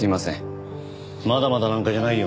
まだまだなんかじゃないよ。